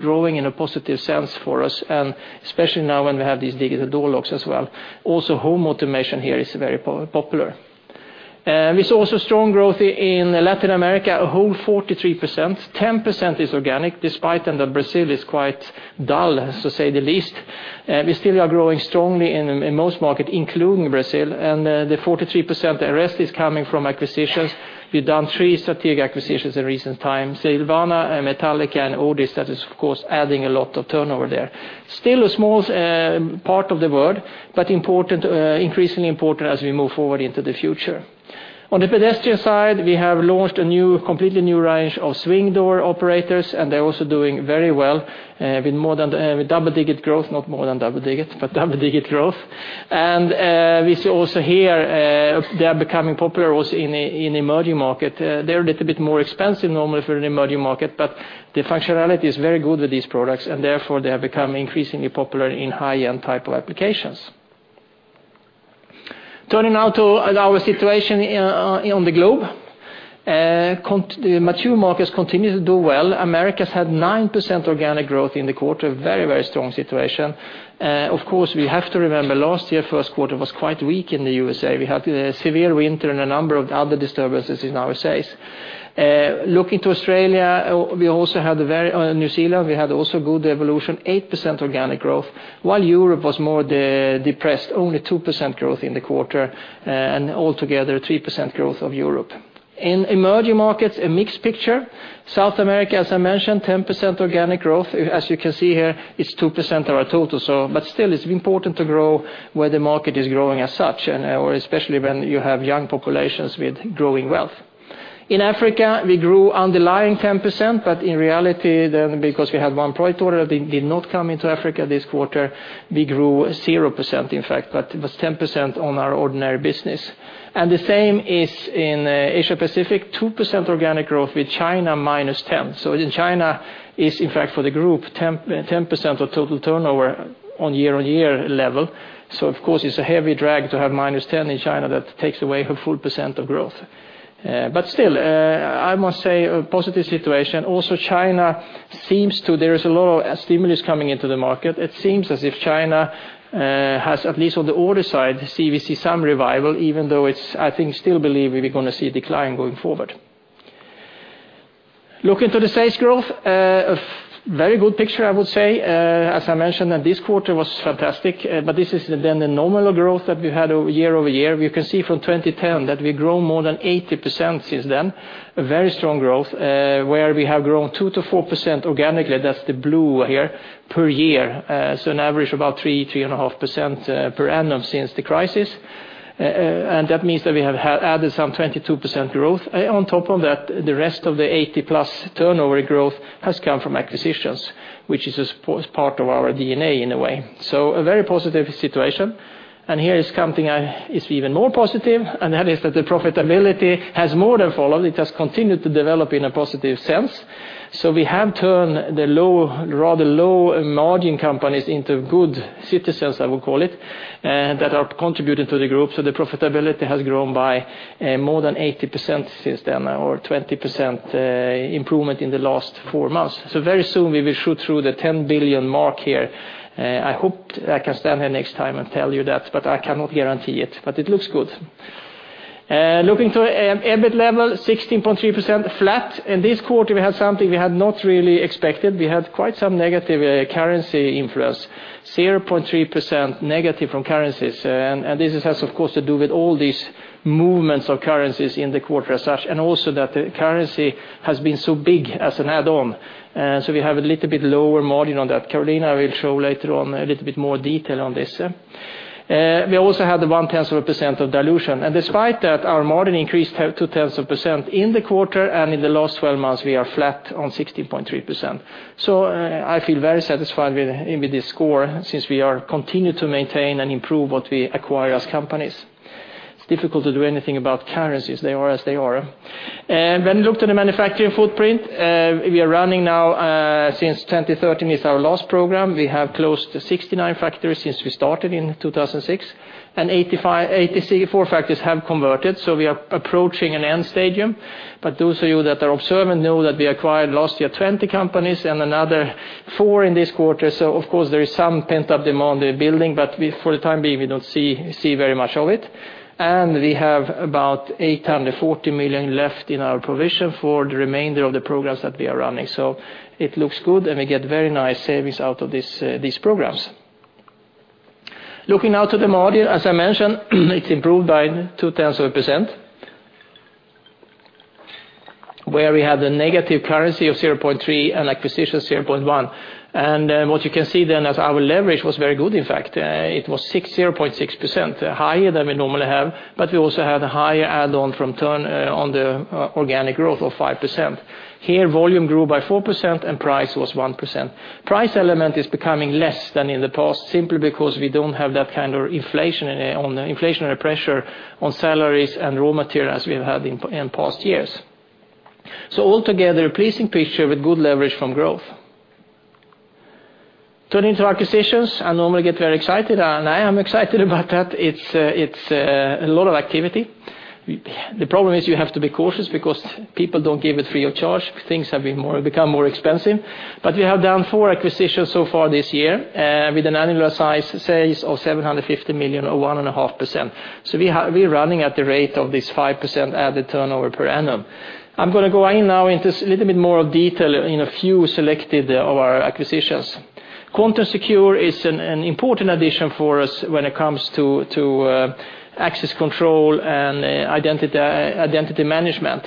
Growing in a positive sense for us, and especially now when we have these digital door locks as well. Home automation here is very popular. We saw also strong growth in Latin America, a whole 43%. 10% is organic, despite then that Brazil is quite dull, to say the least. We still are growing strongly in most markets, including Brazil, and the 43% rest is coming from acquisitions. We've done three strategic acquisitions in recent times, Silvana, Metalika, and ODIS. That is, of course, adding a lot of turnover there. Still a small part of the world, but increasingly important as we move forward into the future. On the pedestrian side, we have launched a completely new range of swing door operators, and they're also doing very well with double-digit growth, not more than double digits, but double-digit growth. We see also here, they are becoming popular also in emerging markets. They're a little bit more expensive normally for an emerging market, but the functionality is very good with these products, and therefore, they have become increasingly popular in high-end type of applications. Turning now to our situation on the globe. The mature markets continue to do well. Americas had 9% organic growth in the quarter. Very, very strong situation. Of course, we have to remember last year, first quarter was quite weak in the U.S.A. We had severe winter and a number of other disturbances in our sales. Looking to Australia and New Zealand, we had also good evolution, 8% organic growth, while Europe was more depressed, only 2% growth in the quarter, and altogether, 3% growth of Europe. In emerging markets, a mixed picture. South America, as I mentioned, 10% organic growth. As you can see here, it's 2% of our total. Still, it's important to grow where the market is growing as such, or especially when you have young populations with growing wealth. In Africa, we grew underlying 10%, but in reality then, because we had one project order that did not come into Africa this quarter, we grew 0%, in fact, but it was 10% on our ordinary business. The same is in Asia-Pacific, 2% organic growth, with China minus 10. In China is, in fact, for the group, 10% of total turnover on year-over-year level. Of course, it's a heavy drag to have minus 10 in China that takes away a full percent of growth. Still, I must say, a positive situation. China, there is a lot of stimulus coming into the market. It seems as if China has, at least on the order side, we see some revival, even though it's, I think, still believe we are going to see a decline going forward. Looking to the sales growth, a very good picture, I would say. As I mentioned, this quarter was fantastic, but this is then the nominal growth that we had year-over-year. We can see from 2010 that we've grown more than 80% since then. A very strong growth, where we have grown 2%-4% organically, that's the blue here, per year. An average about 3%, 3.5% per annum since the crisis. That means that we have added some 22% growth. On top of that, the rest of the 80-plus turnover growth has come from acquisitions, which is part of our DNA in a way. A very positive situation. Here is something that is even more positive, and that is that the profitability has more than followed. It has continued to develop in a positive sense. We have turned the rather low-margin companies into good citizens, I would call it, that are contributing to the group. The profitability has grown by more than 80% since then, or 20% improvement in the last four months. Very soon, we will shoot through the 10 billion mark here. I hope I can stand here next time and tell you that, but I cannot guarantee it. It looks good. Looking to EBIT level, 16.3% flat. In this quarter, we had something we had not really expected. We had quite some negative currency influence, 0.3% negative from currencies. This has, of course, to do with all these movements of currencies in the quarter as such, and also that currency has been so big as an add-on. We have a little bit lower margin on that. Carolina will show later on a little bit more detail on this. We also had the 0.1% of dilution. Despite that, our margin increased 0.2% in the quarter, and in the last 12 months, we are flat on 16.3%. I feel very satisfied with this score, since we are continuing to maintain and improve what we acquire as companies. It's difficult to do anything about currencies. They are as they are. When you look to the manufacturing footprint, we are running now, since 2013 is our last program, we have closed 69 factories since we started in 2006, and 84 factories have converted, so we are approaching an end stage. Those of you that are observant know that we acquired last year 20 companies and another four in this quarter. Of course, there is some pent-up demand building, but for the time being, we don't see very much of it. We have about 840 million left in our provision for the remainder of the programs that we are running. It looks good, and we get very nice savings out of these programs. Looking now to the margin, as I mentioned, it improved by 0.2%, where we had a negative currency of 0.3% and acquisition 0.1%. What you can see then is our leverage was very good, in fact. It was 0.6%, higher than we normally have, but we also had a higher add-on from turn on the organic growth of 5%. Here, volume grew by 4% and price was 1%. Price element is becoming less than in the past, simply because we don't have that kind of inflationary pressure on salaries and raw material as we have had in past years. Altogether, a pleasing picture with good leverage from growth. Turning to acquisitions, I normally get very excited, and I am excited about that. It's a lot of activity. The problem is you have to be cautious because people don't give it free of charge. Things have become more expensive. We have done four acquisitions so far this year, with an annual size, say, of 750 million or 1.5%. We're running at the rate of this 5% added turnover per annum. I'm going to go in now into a little bit more detail in a few selected of our acquisitions. Quantum Secure is an important addition for us when it comes to access control and identity management.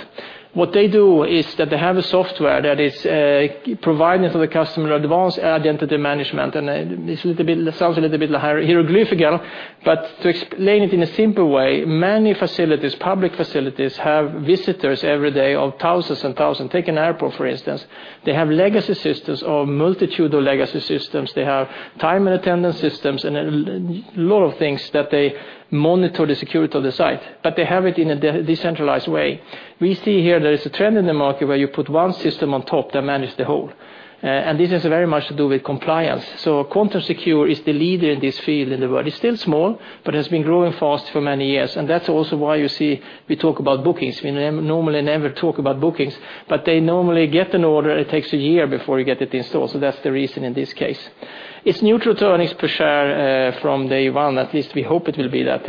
What they do is that they have a software that is providing for the customer advanced identity management, and it sounds a little bit hieroglyphical. To explain it in a simple way, many public facilities have visitors every day of thousands and thousands. Take an an airport, for instance. They have legacy systems or a multitude of legacy systems. They have time and attendance systems and a lot of things that they monitor the security of the site, but they have it in a decentralized way. We see here there is a trend in the market where you put one system on top that manage the whole. This is very much to do with compliance. Quantum Secure is the leader in this field in the world. It's still small, but has been growing fast for many years. That's also why you see we talk about bookings. We normally never talk about bookings. They normally get an order, it takes a year before you get it installed. That's the reason in this case. It's neutral to earnings per share from day one. At least we hope it will be that,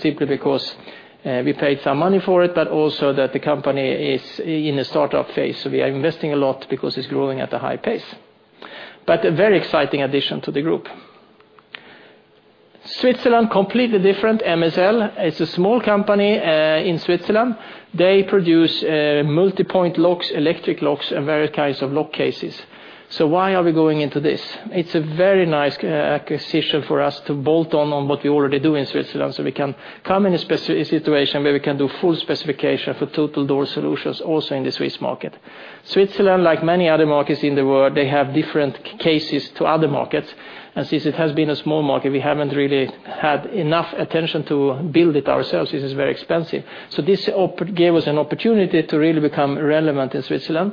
simply because we paid some money for it, but also that the company is in a startup phase. We are investing a lot because it's growing at a high pace. A very exciting addition to the group. Switzerland, completely different. MSL is a small company in Switzerland. They produce multi-point locks, electric locks, and various kinds of lock cases. Why are we going into this? It's a very nice acquisition for us to bolt on on what we already do in Switzerland, so we can come in a situation where we can do full specification for total door solutions also in the Swiss market. Switzerland, like many other markets in the world, they have different cases to other markets. Since it has been a small market, we haven't really had enough attention to build it ourselves since it's very expensive. This gave us an opportunity to really become relevant in Switzerland.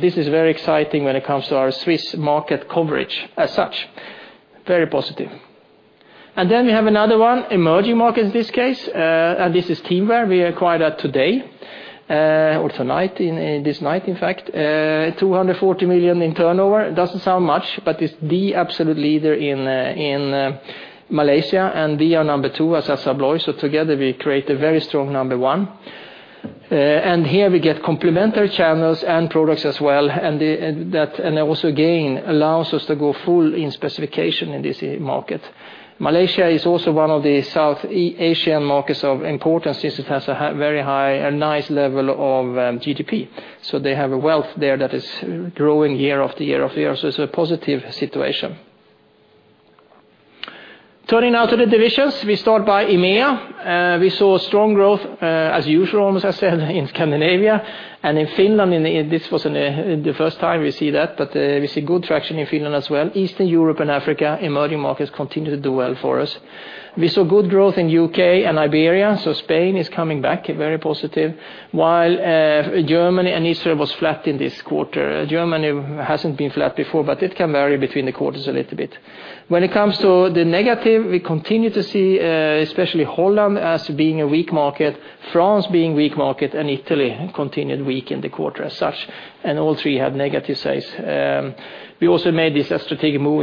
This is very exciting when it comes to our Swiss market coverage as such. Very positive. Then we have another one, emerging market in this case, and this is Teamware. We acquired that today. Also this night, in fact. 240 million in turnover. Doesn't sound much, but it's the absolute leader in Malaysia, and we are number two as Assa Abloy, together we create a very strong number one. Here we get complementary channels and products as well, that also, again, allows us to go full in specification in this market. Malaysia is also one of the South Asian markets of importance since it has a nice level of GDP. They have a wealth there that is growing year after year after year. It's a positive situation. Turning now to the divisions. We start by EMEA. We saw strong growth, as usual, almost I said, in Scandinavia. In Finland, this wasn't the first time we see that, but we see good traction in Finland as well. Eastern Europe and Africa, emerging markets continue to do well for us. We saw good growth in U.K. and Iberia, Spain is coming back, very positive. While Germany and Israel was flat in this quarter. Germany hasn't been flat before, but it can vary between the quarters a little bit. When it comes to the negative, we continue to see, especially Holland, as being a weak market, France being weak market, and Italy continued weak in the quarter as such, and all three had negative sales. We also made this strategic move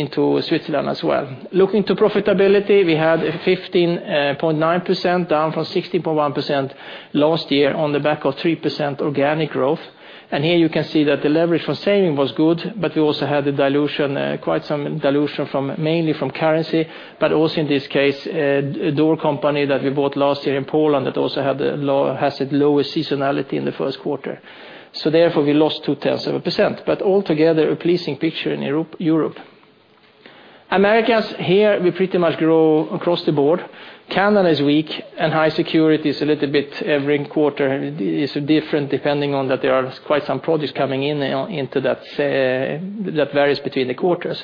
into Switzerland as well. Looking to profitability, we had 15.9%, down from 16.1% last year on the back of 3% organic growth. Here you can see that the leverage from saving was good, but we also had quite some dilution mainly from currency, but also in this case, a door company that we bought last year in Poland that also has the lowest seasonality in the first quarter. Therefore we lost two tenths of a percent, altogether a pleasing picture in Europe. Americas, here, we pretty much grow across the board. Canada is weak and high security is a little bit every quarter is different depending on that there are quite some projects coming in into that varies between the quarters.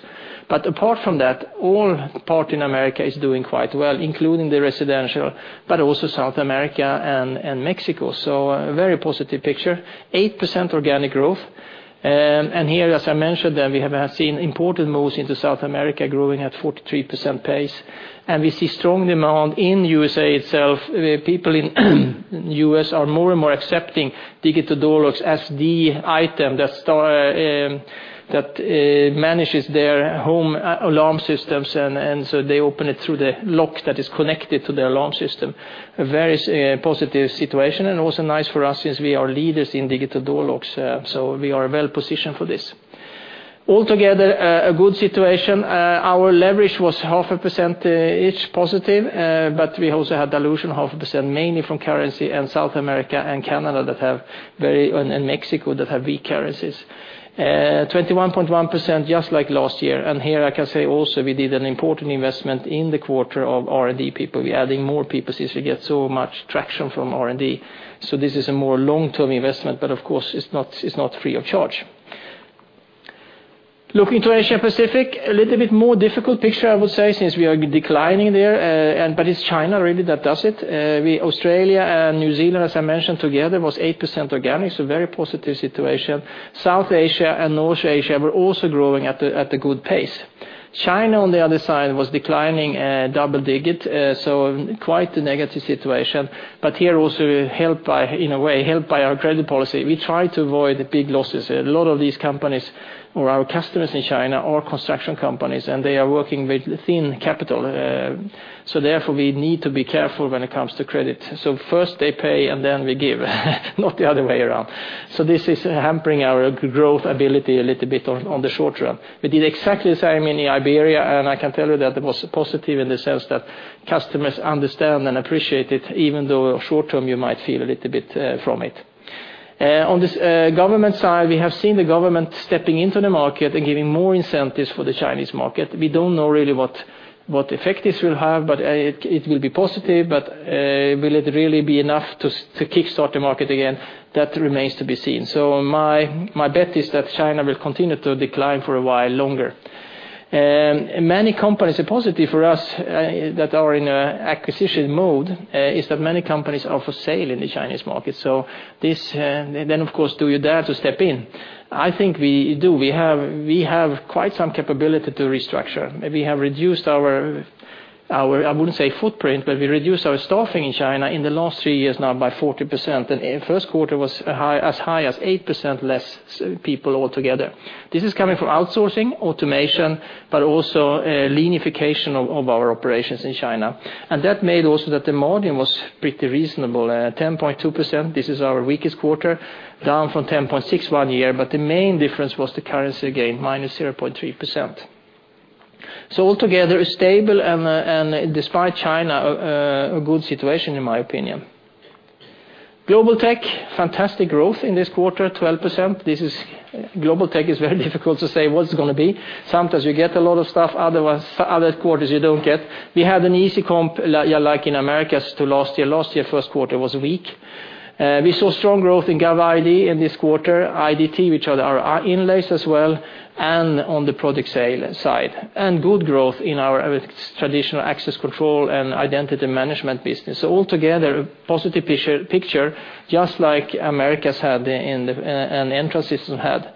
Apart from that, all part in America is doing quite well, including the residential, but also South America and Mexico. A very positive picture. 8% organic growth. Here, as I mentioned, that we have seen important moves into South America growing at 43% pace. We see strong demand in USA itself. People in U.S. are more and more accepting digital door locks as the item that manages their home alarm systems, they open it through the lock that is connected to the alarm system. A very positive situation, also nice for us since we are leaders in digital door locks. We are well-positioned for this. Altogether, a good situation. Our leverage was half a percent each positive, but we also had dilution half a percent, mainly from currency and South America and Canada and Mexico that have weak currencies. 21.1%, just like last year. Here I can say also we did an important investment in the quarter of R&D people. We're adding more people since we get so much traction from R&D. This is a more long-term investment, but of course, it's not free of charge. Looking to Asia Pacific, a little bit more difficult picture, I would say, since we are declining there, but it's China really that does it. Australia and New Zealand, as I mentioned together, was 8% organic, a very positive situation. South Asia and North Asia were also growing at a good pace. China, on the other side, was declining double digit, quite a negative situation. Here also, in a way, helped by our credit policy. We try to avoid big losses. A lot of these companies, or our customers in China, are construction companies, and they are working with thin capital. Therefore, we need to be careful when it comes to credit. First they pay and then we give, not the other way around. This is hampering our growth ability a little bit on the short-term. We did exactly the same in Iberia, I can tell you that it was positive in the sense that customers understand and appreciate it, even though short-term you might feel a little bit from it. On the government side, we have seen the government stepping into the market and giving more incentives for the Chinese market. We don't know really what effect this will have, but it will be positive, but will it really be enough to kickstart the market again? That remains to be seen. My bet is that China will continue to decline for a while longer. A positive for us that are in acquisition mode is that many companies are for sale in the Chinese market. Of course, do you dare to step in? I think we do. We have quite some capability to restructure. We have reduced our, I wouldn't say footprint, but we reduced our staffing in China in the last three years now by 40%, and first quarter was as high as 8% less people altogether. This is coming from outsourcing, automation, but also leanification of our operations in China. That made also that the margin was pretty reasonable, 10.2%. This is our weakest quarter, down from 10.6% one year, but the main difference was the currency gain, -0.3%. Altogether, stable and despite China, a good situation in my opinion. Global Technologies, fantastic growth in this quarter, 12%. Global Technologies is very difficult to say what it's going to be. Sometimes you get a lot of stuff, other quarters you don't get. We had an easy comp, like in Americas to last year. Last year, first quarter was weak. We saw strong growth in GovID in this quarter, IDT, which are our inlays as well, and on the product sale side. Good growth in our traditional access control and identity management business. Altogether, a positive picture, just like Americas had and Entrance Systems had.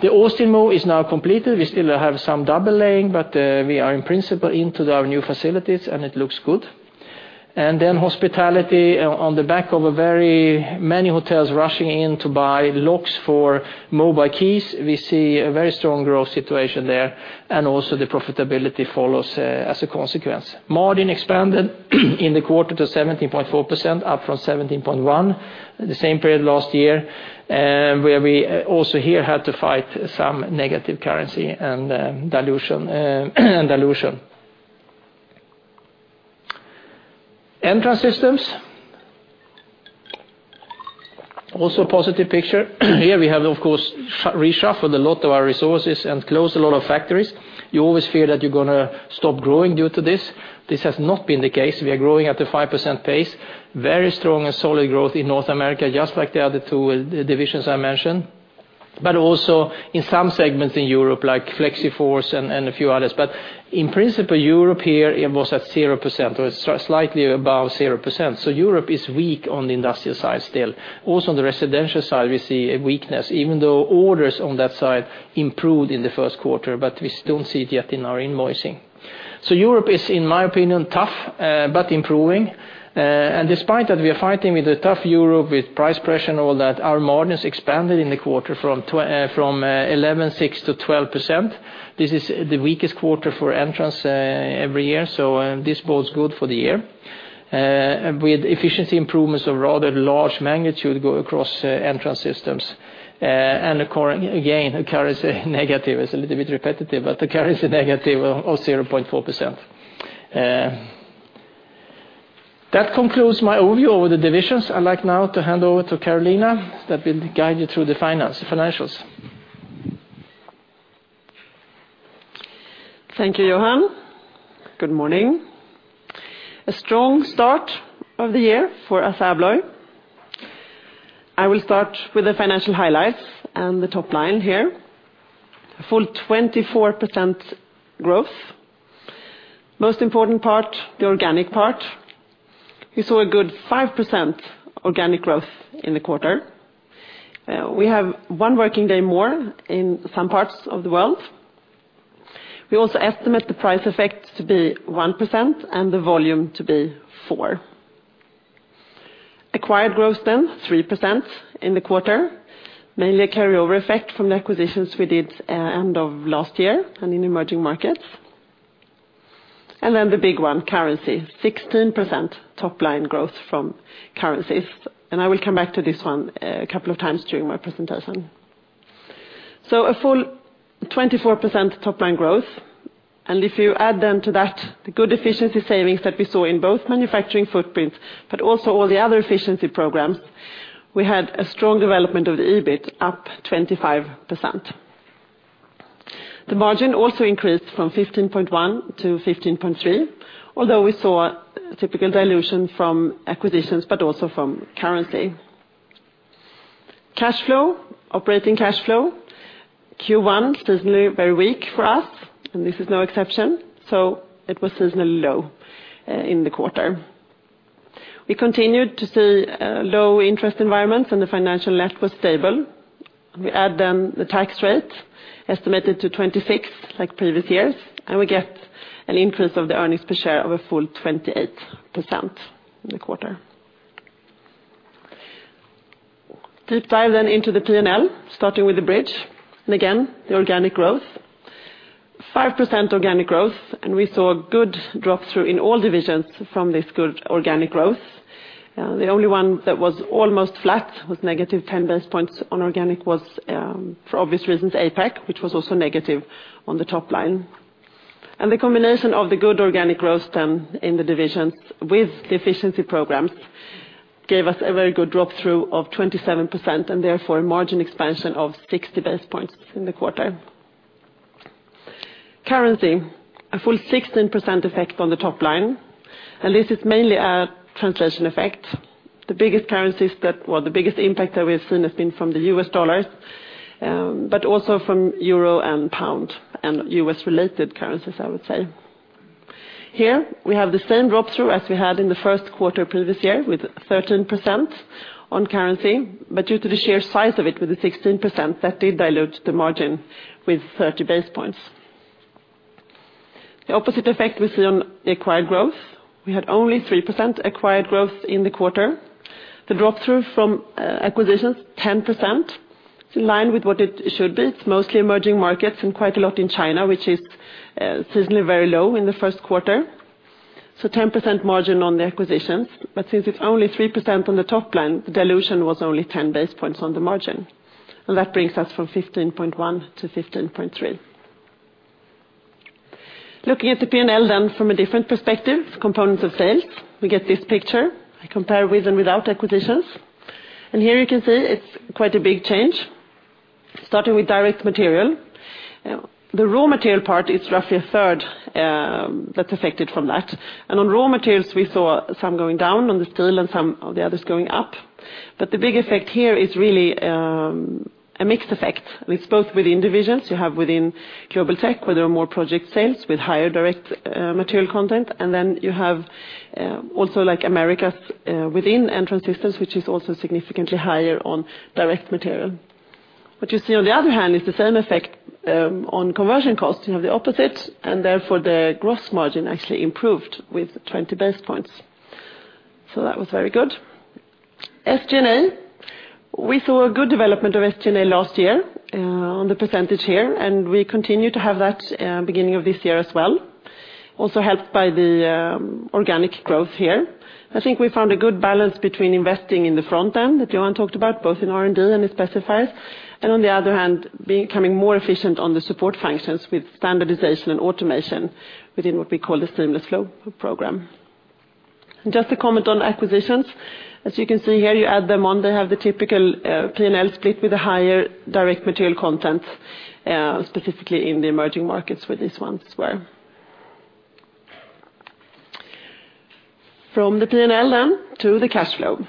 The [Ostimo] is now completed. We still have some double laying, but we are in principle into our new facilities, and it looks good. Hospitality on the back of many hotels rushing in to buy locks for Mobile Keys. We see a very strong growth situation there, and also the profitability follows as a consequence. Margin expanded in the quarter to 17.4%, up from 17.1% the same period last year, where we also here had to fight some negative currency and dilution. Entrance Systems, also a positive picture. Here we have, of course, reshuffled a lot of our resources and closed a lot of factories. You always fear that you're going to stop growing due to this. This has not been the case. We are growing at a 5% pace. Very strong and solid growth in North America, just like the other two divisions I mentioned, but also in some segments in Europe, like FlexiForce and a few others. In principle, Europe here, it was at 0% or slightly above 0%. Europe is weak on the industrial side still. On the residential side, we see a weakness, even though orders on that side improved in the first quarter, but we still don't see it yet in our invoicing. Europe is, in my opinion, tough, but improving. Despite that we are fighting with a tough Europe with price pressure and all that, our margins expanded in the quarter from 11.6% to 12%. This is the weakest quarter for Entrance Systems every year, this bodes good for the year. With efficiency improvements of rather large magnitude go across Entrance Systems. Again, currency negative is a little bit repetitive, but the currency negative of 0.4%. That concludes my overview over the divisions. I'd like now to hand over to Carolina that will guide you through the financials. Thank you, Johan. Good morning. A strong start of the year for Assa Abloy. I will start with the financial highlights and the top line here. A full 24% growth. Most important part, the organic part. We saw a good 5% organic growth in the quarter. We have one working day more in some parts of the world. We also estimate the price effect to be 1% and the volume to be 4%. Acquired growth 3% in the quarter, mainly a carryover effect from the acquisitions we did end of last year and in emerging markets. The big one, currency, 16% top line growth from currencies. I will come back to this one a couple of times during my presentation. A full 24% top line growth. If you add then to that the good efficiency savings that we saw in both manufacturing footprints, but also all the other efficiency programs, we had a strong development of the EBIT, up 25%. The margin also increased from 15.1% to 15.3%, although we saw typical dilution from acquisitions, but also from currency. Cash flow, operating cash flow. Q1, seasonally very weak for us, and this is no exception. It was seasonally low in the quarter. We continued to see low interest environments and the financial net was stable. We add the tax rate estimated to 26% like previous years, we get an increase of the earnings per share of a full 28% in the quarter. Deep dive into the P&L, starting with the bridge. Again, the organic growth. 5% organic growth, we saw a good drop through in all divisions from this good organic growth. The only one that was almost flat was negative 10 basis points on organic was, for obvious reasons, APAC, which was also negative on the top line. The combination of the good organic growth then in the divisions with the efficiency programs gave us a very good drop through of 27%, therefore a margin expansion of 60 basis points in the quarter. Currency, a full 16% effect on the top line, this is mainly a translation effect. The biggest impact that we have seen has been from the U.S. dollars, but also from EUR and GBP and U.S. related currencies, I would say. Here we have the same drop through as we had in the first quarter previous year with 13% on currency. Due to the sheer size of it with the 16%, that did dilute the margin with 30 base points. The opposite effect we see on the acquired growth. We had only 3% acquired growth in the quarter. The drop through from acquisitions 10%, it's in line with what it should be. It's mostly emerging markets and quite a lot in China, which is seasonally very low in the first quarter. 10% margin on the acquisitions, but since it's only 3% on the top line, the dilution was only 10 base points on the margin. That brings us from 15.1 to 15.3. Looking at the P&L from a different perspective, components of sales, we get this picture. I compare with and without acquisitions. Here you can see it's quite a big change. Starting with direct material. The raw material part is roughly a third, that's affected from that. On raw materials, we saw some going down on the steel and some of the others going up. The big effect here is really a mixed effect with both within divisions you have within Global Tech, where there are more project sales with higher direct material content. Then you have also like Americas within Entrance Systems, which is also significantly higher on direct material. What you see on the other hand is the same effect on conversion costs. You have the opposite and therefore the gross margin actually improved with 20 base points. That was very good. SG&A, we saw a good development of SG&A last year on the percentage here, we continue to have that beginning of this year as well. Also helped by the organic growth here. I think we found a good balance between investing in the front end that Johan talked about, both in R&D and the specifiers. On the other hand, becoming more efficient on the support functions with standardization and automation within what we call the Seamless Flow Program. Just a comment on acquisitions. As you can see here, you add them on, they have the typical P&L split with the higher direct material content, specifically in the emerging markets for this one as well. From the P&L to the cash flow.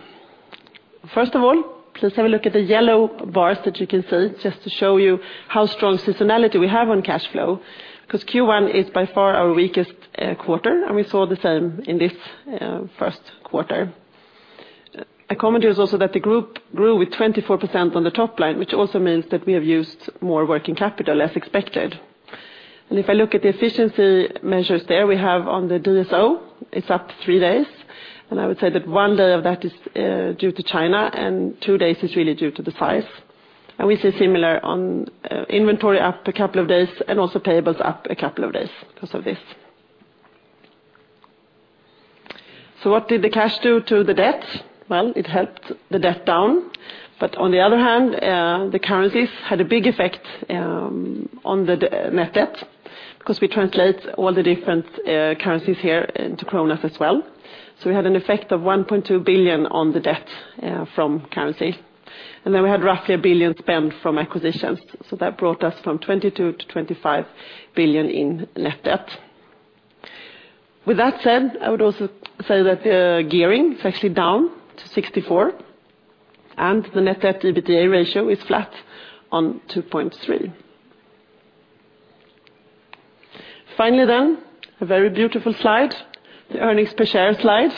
First of all, please have a look at the yellow bars that you can see just to show you how strong seasonality we have on cash flow, because Q1 is by far our weakest quarter, and we saw the same in this first quarter. A comment is also that the group grew with 24% on the top line, which also means that we have used more working capital as expected. If I look at the efficiency measures there, we have on the DSO, it's up three days, and I would say that one day of that is due to China and two days is really due to the size. We see similar on inventory up a couple of days and also payables up a couple of days because of this. What did the cash do to the debt? Well, it helped the debt down, on the other hand, the currencies had a big effect on the net debt because we translate all the different currencies here into kronas as well. We had an effect of 1.2 billion on the debt from currency. We had roughly 1 billion spend from acquisitions. That brought us from 22 billion to 25 billion in net debt. With that said, I would also say that the gearing is actually down to 64%, and the net debt EBITDA ratio is flat on 2.3. A very beautiful slide, the earnings per share slide.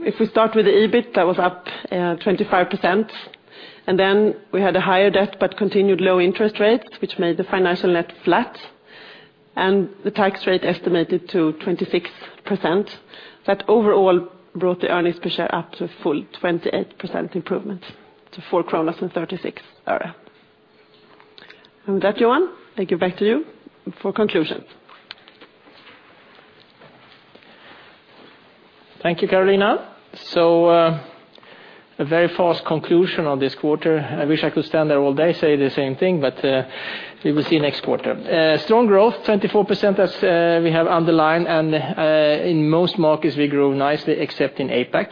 If we start with the EBIT, that was up 25%. We had a higher debt but continued low interest rates, which made the financial net flat. The tax rate estimated to 26%. That overall brought the earnings per share up to a full 28% improvement to 4.36 kronor. With that, Johan, I give back to you for conclusion. Thank you, Carolina. A very fast conclusion on this quarter. I wish I could stand there all day, say the same thing, but we will see next quarter. Strong growth, 24% as we have underlined, in most markets we grew nicely except in APAC.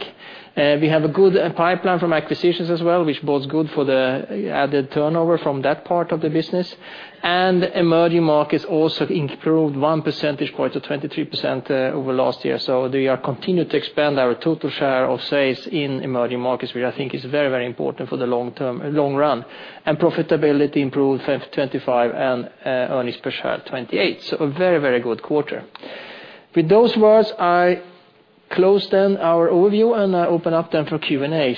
We have a good pipeline from acquisitions as well, which bodes good for the added turnover from that part of the business. Emerging markets also improved one percentage point to 23% over last year. We are continuing to expand our total share of sales in emerging markets, which I think is very important for the long run. Profitability improved 25% and earnings per share 28%. A very good quarter. With those words, I close our overview and open up for Q&A.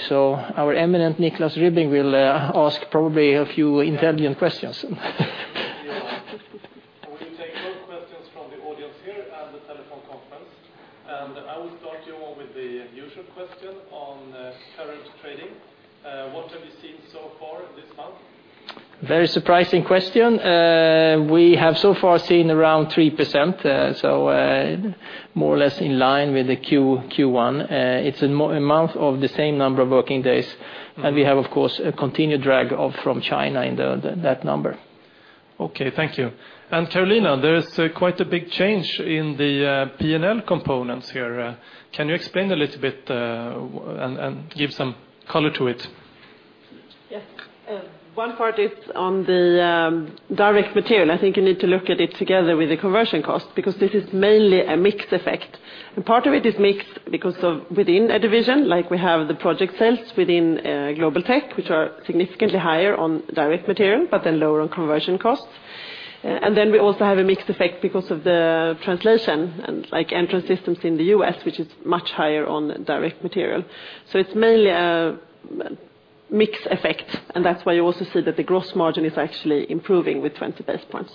Our eminent Niklas Ribbing will ask probably a few intelligent questions. We will take both questions from the audience here and the telephone conference. I will start you all with the usual question on current trading. What have you seen so far this month? Very surprising question. We have so far seen around 3%, more or less in line with the Q1. It's a month of the same number of working days, we have, of course, a continued drag from China in that number. Okay. Thank you. Carolina, there is quite a big change in the P&L components here. Can you explain a little bit, and give some color to it? Yes. One part is on the direct material. I think you need to look at it together with the conversion cost because this is mainly a mix effect. Part of it is mixed because of within a division, like we have the project sales within Global Technologies, which are significantly higher on direct material, but then lower on conversion costs. Then we also have a mix effect because of the translation and like Entrance Systems in the U.S., which is much higher on direct material. It's mainly a mix effect, and that's why you also see that the gross margin is actually improving with 20 basis points.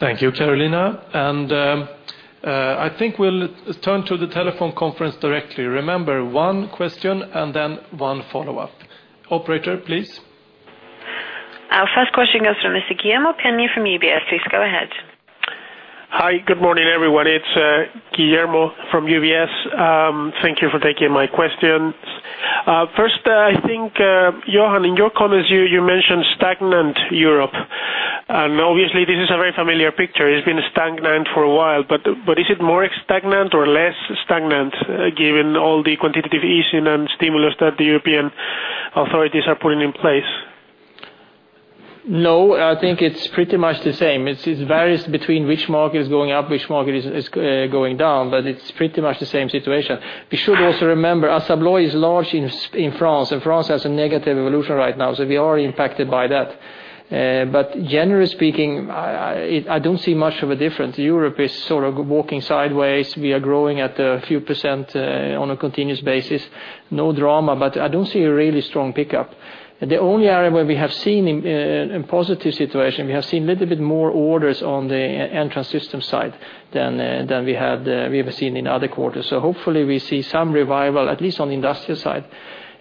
Thank you, Carolina. I think we'll turn to the telephone conference directly. Remember, one question and then one follow-up. Operator, please. Our first question comes from Mr. Guillermo Peigneux-Lojo from UBS. Please go ahead. Hi. Good morning, everyone. It's Guillermo from UBS. Thank you for taking my questions. First, I think, Johan, in your comments, you mentioned stagnant Europe. Obviously this is a very familiar picture. It's been stagnant for a while. Is it more stagnant or less stagnant given all the quantitative easing and stimulus that the European authorities are putting in place? No, I think it's pretty much the same. It varies between which market is going up, which market is going down. It's pretty much the same situation. We should also remember, Assa Abloy is large in France. France has a negative evolution right now, we are impacted by that. Generally speaking, I don't see much of a difference. Europe is sort of walking sideways. We are growing at a few %, on a continuous basis. No drama. I don't see a really strong pickup. The only area where we have seen a positive situation, we have seen little bit more orders on the Entrance Systems side than we have seen in other quarters. Hopefully we see some revival, at least on the industrial side.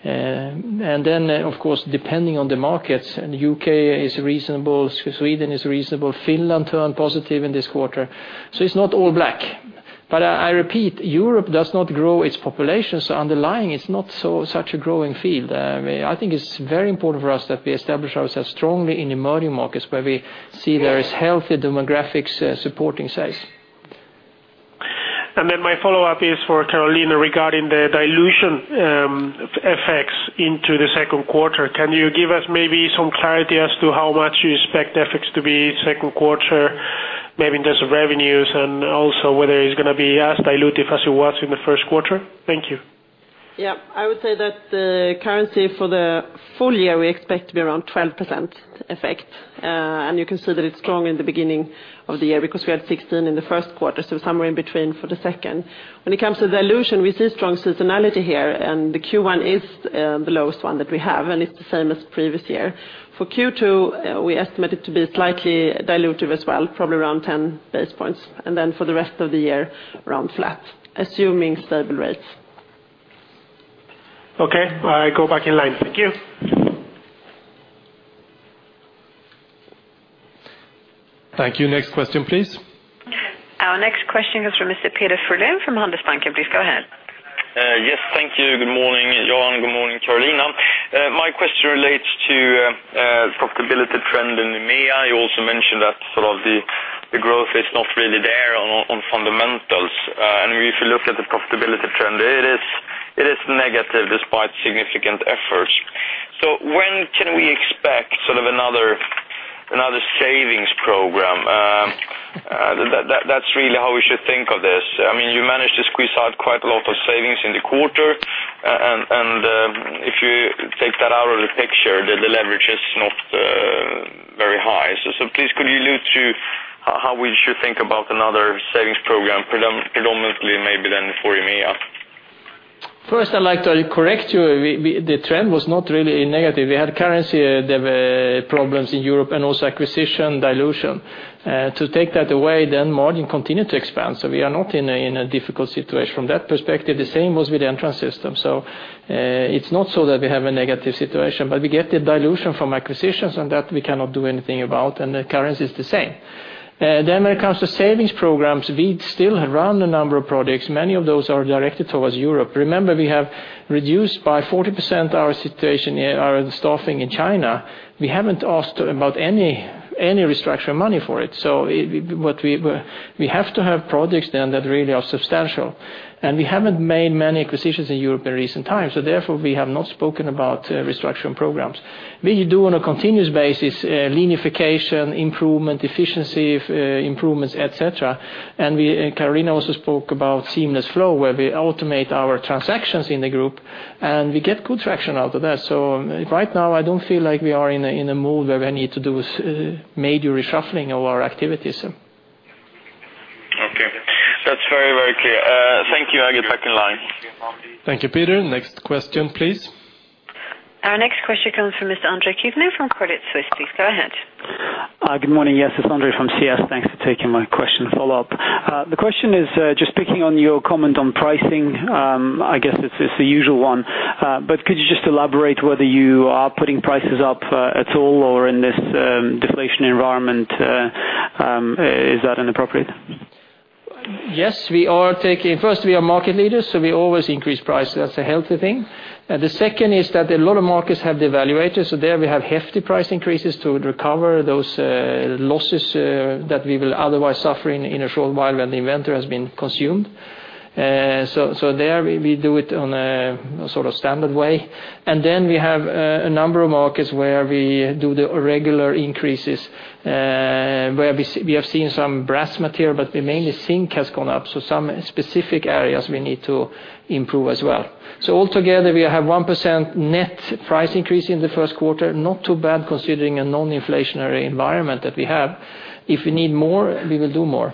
Then of course, depending on the markets, U.K. is reasonable, Sweden is reasonable. Finland turned positive in this quarter. It's not all bad. I repeat, Europe does not grow its population, underlying it's not such a growing field. I think it's very important for us that we establish ourselves strongly in emerging markets where we see there is healthy demographics supporting sales. Then my follow-up is for Carolina regarding the dilution effects into the 2Q. Can you give us maybe some clarity as to how much you expect the effects to be 2Q, maybe in terms of revenues and also whether it's going to be as dilutive as it was in the 1Q? Thank you. I would say that the currency for the full year, we expect to be around 12% effect. You can see that it's strong in the beginning of the year because we had 16% in the first quarter, so somewhere in between for the second. When it comes to dilution, we see strong seasonality here, and the Q1 is the lowest one that we have, and it's the same as previous year. For Q2, we estimate it to be slightly dilutive as well, probably around 10 basis points. For the rest of the year, around flat, assuming stable rates. Okay. I go back in line. Thank you. Thank you. Next question, please. Our next question comes from Mr. Peter Frölén from Handelsbanken. Please go ahead. Yes. Thank you. Good morning, Johan. Good morning, Carolina. My question relates to profitability trend in EMEA. You also mentioned that sort of the growth is not really there on fundamentals. If you look at the profitability trend, it is negative despite significant efforts. When can we expect sort of another savings program? That's really how we should think of this. You managed to squeeze out quite a lot of savings in the quarter, and if you take that out of the picture, the leverage is not very high. Please could you allude to how we should think about another savings program predominantly maybe then for EMEA? First, I'd like to correct you. The trend was not really negative. We had currency problems in Europe and also acquisition dilution. To take that away, then margin continue to expand. We are not in a difficult situation from that perspective. The same was with Entrance Systems. It's not so that we have a negative situation, but we get the dilution from acquisitions and that we cannot do anything about, and the currency is the same. When it comes to savings programs, we still run a number of projects. Many of those are directed towards Europe. Remember, we have reduced by 40% our situation, our staffing in China. We haven't asked about any restructuring money for it. We have to have projects then that really are substantial. We haven't made many acquisitions in Europe in recent times, so therefore, we have not spoken about restructuring programs. We do on a continuous basis, leanification improvement, efficiency improvements, et cetera. Carolina also spoke about seamless flow, where we automate our transactions in the group, and we get good traction out of that. Right now, I don't feel like we are in a mood where we need to do major reshuffling of our activities. Okay. That's very clear. Thank you. I get back in line. Thank you, Peter. Next question, please. Our next question comes from Mr. Andre Kukhnin from Credit Suisse. Please go ahead. Good morning. Yes, it's Andre from CS. Thanks for taking my question follow-up. The question is, just picking on your comment on pricing, I guess it's the usual one. Could you just elaborate whether you are putting prices up at all or in this deflation environment, is that inappropriate? Yes. First, we are market leaders, so we always increase price. That's a healthy thing. The second is that a lot of markets have devaluated, so there we have hefty price increases to recover those losses that we will otherwise suffer in a short while when the inventory has been consumed. There, we do it on a sort of standard way. We have a number of markets where we do the regular increases, where we have seen some brass material, but mainly zinc has gone up, so some specific areas we need to improve as well. Altogether, we have 1% net price increase in the first quarter. Not too bad considering a non-inflationary environment that we have. If we need more, we will do more.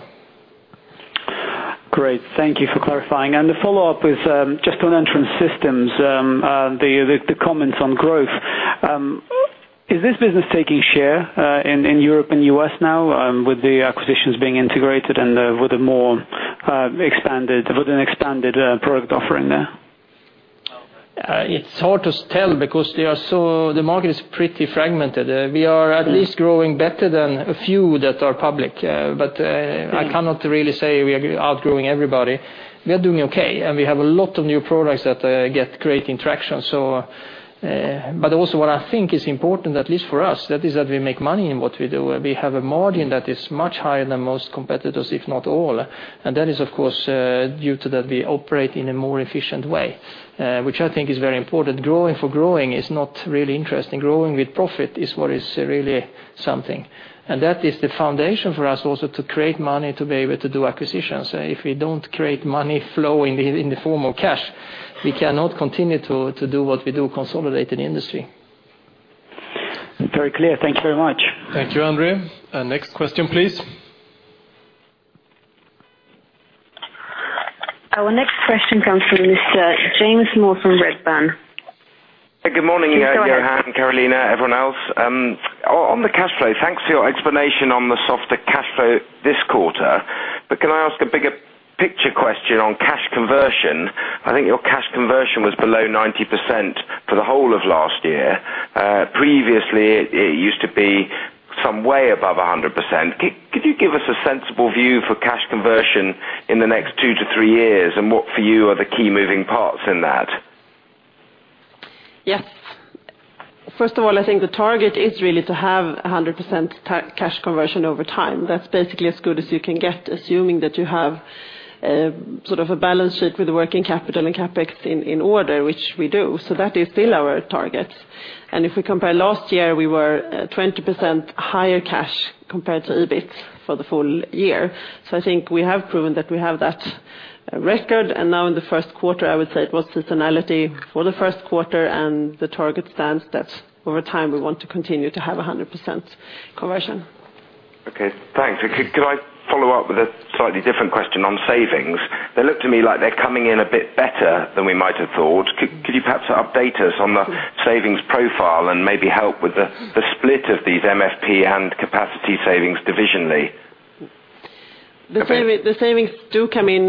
Great. Thank you for clarifying. The follow-up is just on Entrance Systems, the comments on growth. Is this business taking share in Europe and U.S. now with the acquisitions being integrated and with an expanded product offering there? It's hard to tell because the market is pretty fragmented. We are at least growing better than a few that are public. I cannot really say we are outgrowing everybody. We are doing okay, and we have a lot of new products that get great interaction. Also what I think is important, at least for us, that is that we make money in what we do. We have a margin that is much higher than most competitors, if not all. That is, of course, due to that we operate in a more efficient way, which I think is very important. Growing for growing is not really interesting. Growing with profit is what is really something, and that is the foundation for us also to create money, to be able to do acquisitions. If we don't create money flow in the form of cash, we cannot continue to do what we do, consolidate in the industry. Very clear. Thank you very much. Thank you, Andre. Next question, please. Our next question comes from Mr. James Moore from Redburn. Good morning. Please go ahead. Johan, Carolina, everyone else. On the cash flow, thanks for your explanation on the softer cash flow this quarter. Can I ask a bigger picture question on cash conversion? I think your cash conversion was below 90% for the whole of last year. Previously, it used to be some way above 100%. Could you give us a sensible view for cash conversion in the next two to three years? What for you are the key moving parts in that? Yes. First of all, I think the target is really to have 100% cash conversion over time. That's basically as good as you can get, assuming that you have a balance sheet with working capital and CapEx in order, which we do. That is still our target. If we compare last year, we were 20% higher cash compared to EBIT for the full year. I think we have proven that we have that record. Now in the first quarter, I would say it was seasonality for the first quarter and the target stands that over time we want to continue to have 100% conversion. Okay, thanks. Could I follow up with a slightly different question on savings? They look to me like they're coming in a bit better than we might have thought. Could you perhaps update us on the savings profile and maybe help with the split of these MFP and capacity savings divisionally? The savings do come in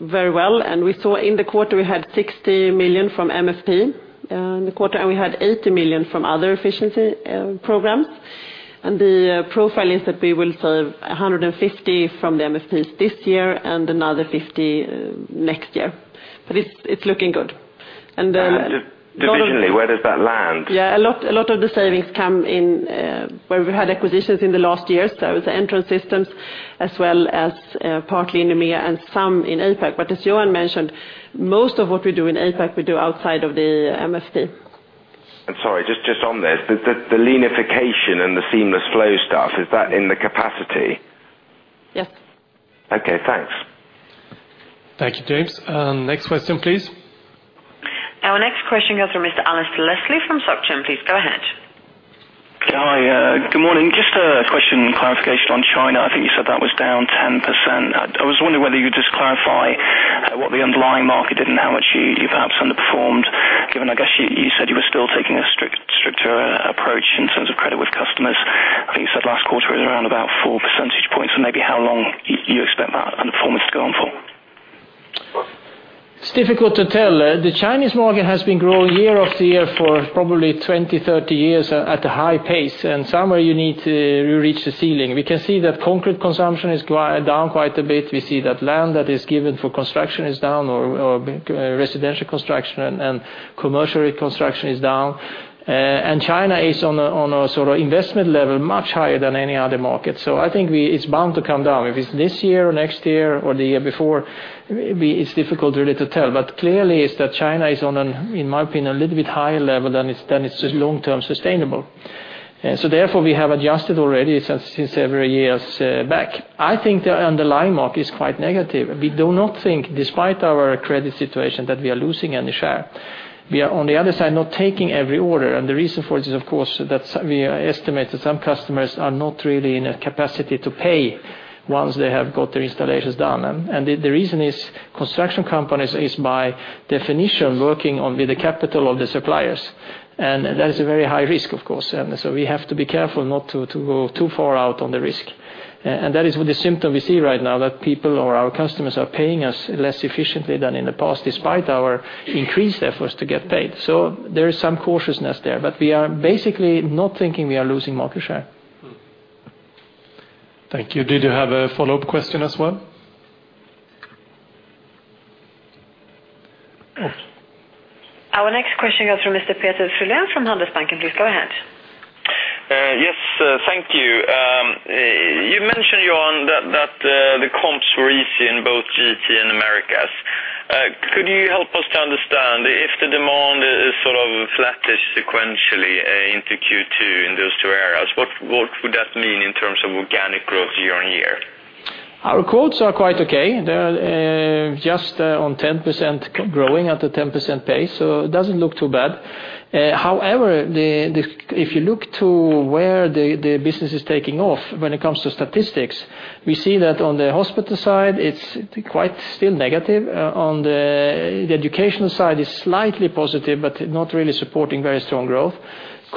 very well. We saw in the quarter we had 60 million from MFP in the quarter, and we had 80 million from other efficiency programs. The profile is that we will save 150 from the MFPs this year and another 50 next year. It's looking good. Divisionally, where does that land? Yeah, a lot of the savings come in where we had acquisitions in the last year, so it was the Entrance Systems as well as partly in EMEA and some in APAC. As Johan mentioned, most of what we do in APAC, we do outside of the MFP. Sorry, just on this. The leanification and the seamless flow stuff, is that in the capacity? Yes. Okay, thanks. Thank you, James. Next question, please. Our next question comes from Mr. Alasdair Leslie from Societe Generale. Please go ahead. Hi. Good morning. Just a question, clarification on China. I think you said that was down 10%. I was wondering whether you could just clarify what the underlying market didn't now achieve, perhaps underperformed, given, I guess you said you were still taking a stricter approach in terms of credit with customers. I think you said last quarter it was around about four percentage points, and maybe how long you expect that underperformance to go on for? It's difficult to tell. The Chinese market has been growing year-over-year for probably 20, 30 years at a high pace, and somewhere you need to reach the ceiling. We can see that concrete consumption is down quite a bit. We see that land that is given for construction is down, or residential construction and commercial construction is down. China is on a sort of investment level much higher than any other market. I think it's bound to come down. If it's this year or next year or the year before, it's difficult really to tell, but clearly it's that China is on an, in my opinion, a little bit higher level than it's long-term sustainable. Therefore, we have adjusted already since several years back. I think the underlying market is quite negative. We do not think, despite our credit situation, that we are losing any share. We are, on the other side, not taking every order. The reason for it is, of course, that we estimate that some customers are not really in a capacity to pay once they have got their installations done. The reason is construction companies is by definition, working on with the capital of the suppliers. That is a very high risk, of course. We have to be careful not to go too far out on the risk. That is with the symptom we see right now, that people or our customers are paying us less efficiently than in the past, despite our increased efforts to get paid. There is some cautiousness there. We are basically not thinking we are losing market share. Thank you. Did you have a follow-up question as well? Our next question goes to Mr. Peter Frölén from Handelsbanken. Please go ahead. Yes, thank you. You mentioned, Johan, that the comps were easy in both GT and Americas. Could you help us to understand if the demand is sort of flattish sequentially into Q2 in those two areas? What would that mean in terms of organic growth year-over-year? Our quotes are quite okay. They're just on 10%, growing at a 10% pace, so it doesn't look too bad. However, if you look to where the business is taking off when it comes to statistics, we see that on the Hospitality side, it's quite still negative. On the educational side is slightly positive, but not really supporting very strong growth.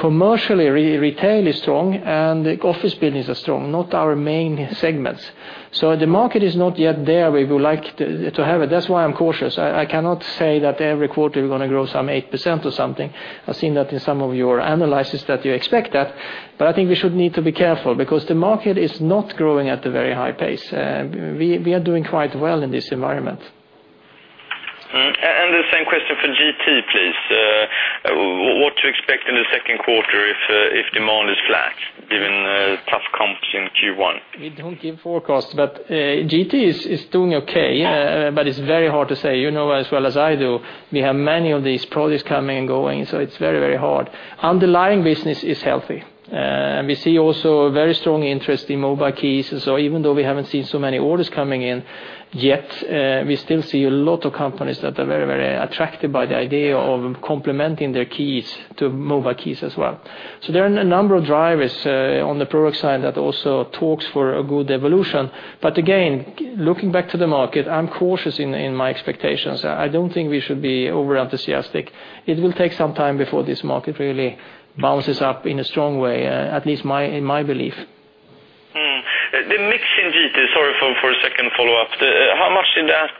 Commercially, retail is strong, and the office buildings are strong, not our main segments. The market is not yet there where we would like to have it. That's why I'm cautious. I cannot say that every quarter we're going to grow some 8% or something. I've seen that in some of your analysis that you expect that, but I think we should need to be careful because the market is not growing at a very high pace. We are doing quite well in this environment. The same question for GT, please. What to expect in the second quarter if demand is flat given tough comps in Q1? We don't give forecasts, but GT is doing okay, but it's very hard to say. You know as well as I do, we have many of these products coming and going, so it's very hard. Underlying business is healthy. We see also a very strong interest in Mobile Keys. Even though we haven't seen so many orders coming in yet, we still see a lot of companies that are very attracted by the idea of complementing their keys to Mobile Keys as well. There are a number of drivers on the product side that also talks for a good evolution. Again, looking back to the market, I'm cautious in my expectations. I don't think we should be over-enthusiastic. It will take some time before this market really bounces up in a strong way, at least in my belief. The mix in GT, sorry for a second follow-up. How much did that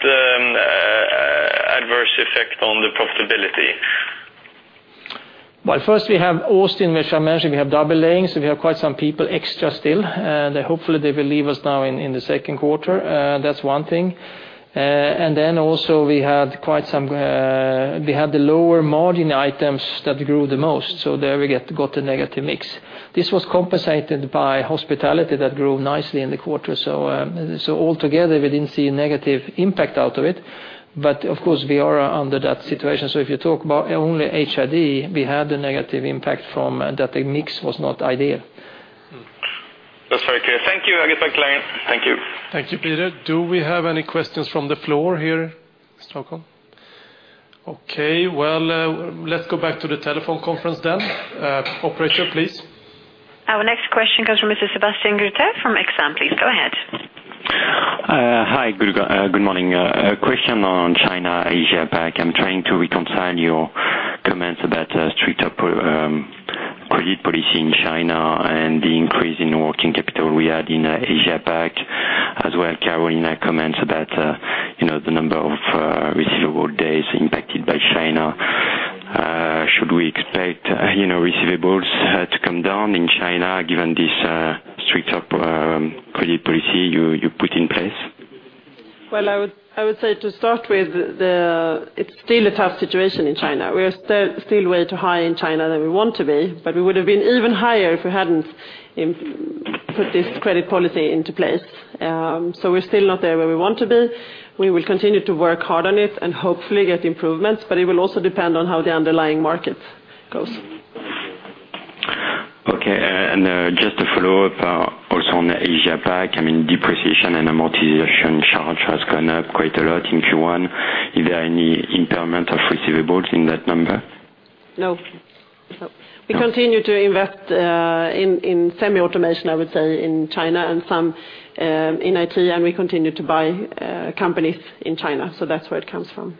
adverse effect on the profitability? First, we have Austin, which I mentioned, we have double manning, we have quite some people extra still. Hopefully they will leave us now in the second quarter. That is one thing. Also, we had the lower margin items that grew the most. There, we got a negative mix. This was compensated by Hospitality that grew nicely in the quarter. Altogether, we did not see a negative impact out of it but of course we are under that situation. If you talk about only HID, we had a negative impact from that. The mix was not ideal. That is very clear. Thank you. I get that claim. Thank you. Thank you, Peter. Do we have any questions from the floor here in Stockholm? Let us go back to the telephone conference then. Operator, please. Our next question comes from Mr. Sebastien Grouteux from Exane. Please go ahead. Hi. Good morning. A question on China, APAC. I'm trying to reconcile your comments about stricter credit policy in China and the increase in working capital we had in APAC, as well Carolina comments about the number of receivable days impacted by China. Should we expect receivables to come down in China given this strict credit policy you put in place? Well, I would say to start with, it's still a tough situation in China. We are still way too high in China than we want to be, but we would have been even higher if we hadn't put this credit policy into place. We're still not there where we want to be. We will continue to work hard on it and hopefully get improvements, but it will also depend on how the underlying market goes. Okay, just to follow up also on APAC, depreciation and amortization charge has gone up quite a lot in Q1. Is there any impairment of receivables in that number? No. We continue to invest in semi-automation, I would say, in China and some in IT, and we continue to buy companies in China, so that's where it comes from.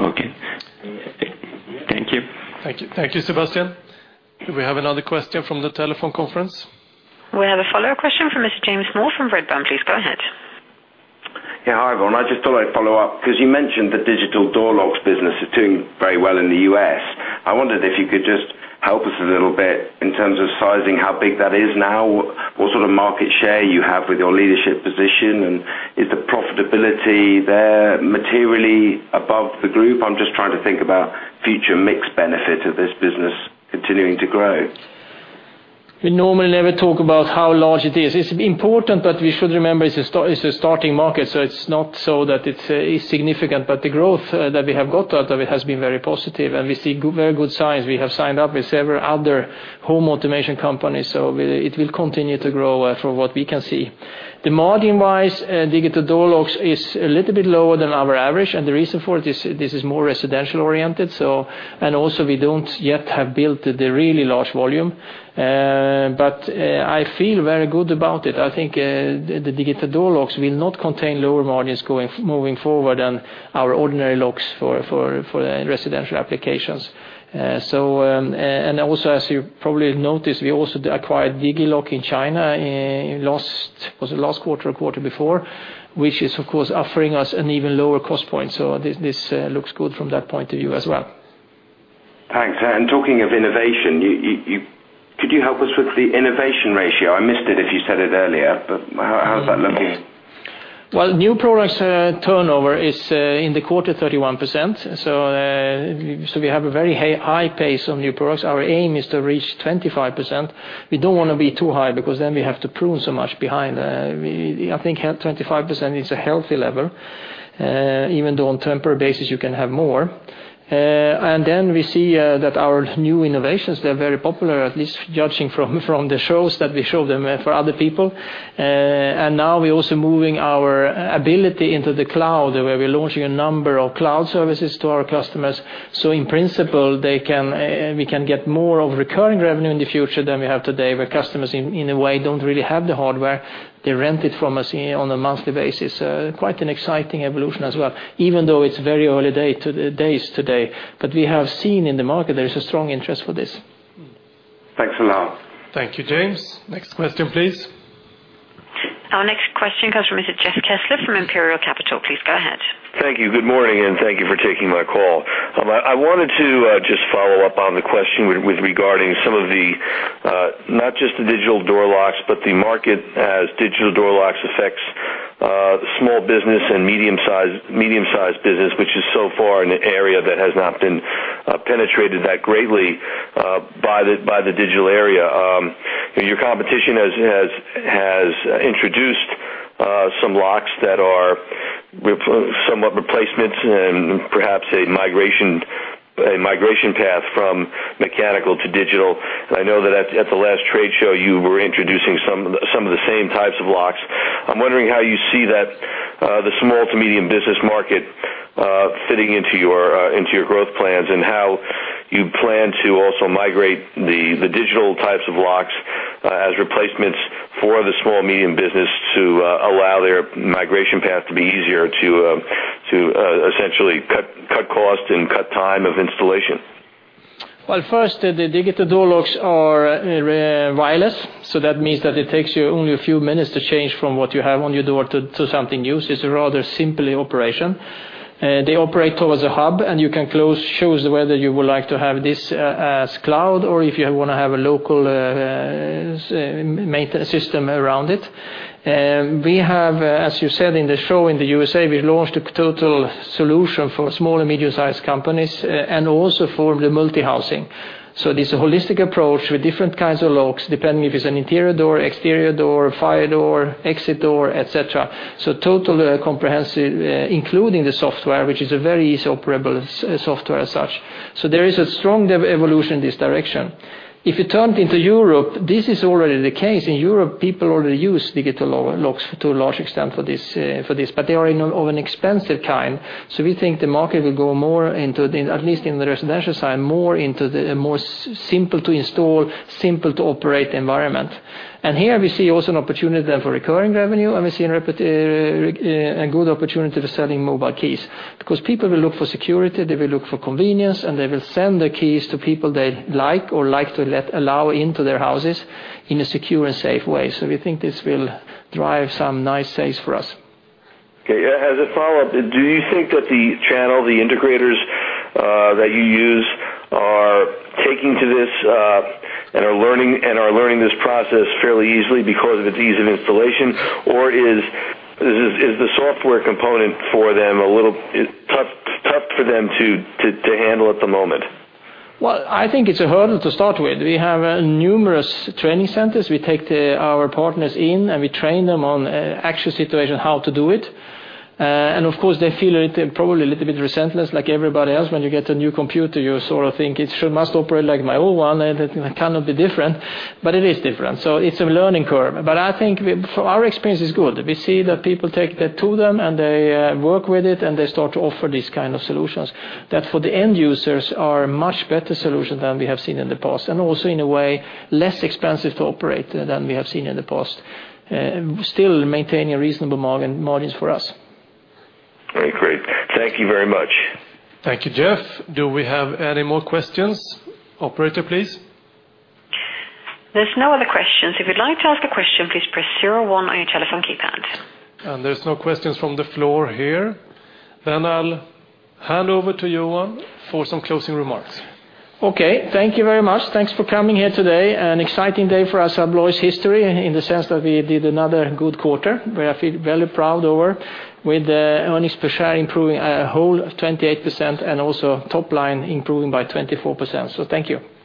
Okay. Thank you. Thank you, Sebastien. Do we have another question from the telephone conference? We have a follow-up question from Mr. James Moore from Redburn. Please go ahead. Yeah. Hi, everyone. I just thought I'd follow up, because you mentioned the digital door locks business is doing very well in the U.S. I wondered if you could just help us a little bit in terms of sizing how big that is now, what sort of market share you have with your leadership position, and is the profitability there materially above the group? I'm just trying to think about future mix benefit of this business continuing to grow. We normally never talk about how large it is. It's important that we should remember it's a starting market, so it's not so that it's insignificant. The growth that we have got out of it has been very positive, and we see very good signs. We have signed up with several other home automation companies, it will continue to grow from what we can see. Margin-wise, digital door locks is a little bit lower than our average, and the reason for it is this is more residential-oriented, and also, we don't yet have built the really large volume. I feel very good about it. I think the digital door locks will not contain lower margins moving forward than our ordinary locks for residential applications. Also, as you probably noticed, we also acquired Digi Electronic Lock in China in, was it last quarter or quarter before? Which is, of course, offering us an even lower cost point. This looks good from that point of view as well. Thanks. Talking of innovation, could you help us with the innovation ratio? I missed it if you said it earlier, but how is that looking? Well, new products turnover is, in the quarter, 31%. We have a very high pace on new products. Our aim is to reach 25%. We don't want to be too high, because then we have to prune so much behind. I think 25% is a healthy level, even though on temporary basis you can have more. Then we see that our new innovations, they're very popular, at least judging from the shows that we show them for other people. Now we're also moving our ability into the cloud, where we're launching a number of cloud services to our customers. In principle, we can get more of recurring revenue in the future than we have today, where customers, in a way, don't really have the hardware. They rent it from us on a monthly basis. Quite an exciting evolution as well, even though it's very early days today. We have seen in the market there is a strong interest for this. Thanks a lot. Thank you, James. Next question, please. Our next question comes from Mr. Jeff Kessler from Imperial Capital. Please go ahead. Thank you. Good morning, and thank you for taking my call. I wanted to just follow up on the question with regarding some of the, not just the digital door locks, but the market as digital door locks affects small business and medium-sized business, which is so far an area that has not been penetrated that greatly by the digital area. Your competition has introduced some locks that are somewhat replacements and perhaps a migration path from mechanical to digital. I know that at the last trade show, you were introducing some of the same types of locks. I am wondering how you see that the small to medium business market fitting into your growth plans, and how you plan to also migrate the digital types of locks as replacements for the small-medium business to allow their migration path to be easier to essentially cut cost and cut time of installation. Well, first, the digital door locks are wireless, so that means that it takes you only a few minutes to change from what you have on your door to something new. It is a rather simple operation. They operate over the hub, and you can choose whether you would like to have this as cloud or if you want to have a local system around it. We have, as you said, in the show in the USA, we launched a total solution for small and medium-sized companies and also for the multi-housing. This holistic approach with different kinds of locks, depending if it is an interior door, exterior door, fire door, exit door, et cetera. Totally comprehensive, including the software, which is a very easy operable software as such. There is a strong evolution in this direction. If you turned into Europe, this is already the case. In Europe, people already use digital locks to a large extent for this, but they are of an expensive kind. We think the market will go more into, at least in the residential side, more into the more simple to install, simple to operate environment. Here we see also an opportunity then for recurring revenue, and we see a good opportunity for selling Mobile Keys because people will look for security, they will look for convenience, and they will send the keys to people they like or like to allow into their houses in a secure and safe way. We think this will drive some nice sales for us. Okay. As a follow-up, do you think that the channel, the integrators that you use are taking to this and are learning this process fairly easily because of its ease of installation? Or is the software component for them a little tough for them to handle at the moment? Well, I think it's a hurdle to start with. We have numerous training centers. We take our partners in and we train them on actual situation, how to do it. Of course, they feel probably a little bit resistant like everybody else. When you get a new computer, you sort of think, "It must operate like my old one. It cannot be different." It is different. It's a learning curve. I think our experience is good. We see that people take that to them and they work with it and they start to offer these kind of solutions that for the end users are a much better solution than we have seen in the past, and also in a way less expensive to operate than we have seen in the past. Still maintaining reasonable margins for us. Great. Thank you very much. Thank you, Jeff. Do we have any more questions? Operator, please. There's no other questions. If you'd like to ask a question, please press 01 on your telephone keypad. There's no questions from the floor here. I'll hand over to Johan for some closing remarks. Okay. Thank you very much. Thanks for coming here today. An exciting day for Assa Abloy's history in the sense that we did another good quarter where I feel very proud over with earnings per share improving a whole 28% and also top line improving by 24%. Thank you.